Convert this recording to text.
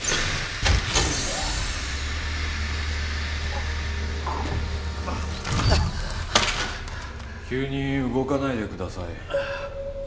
あなたも急に動かないでください。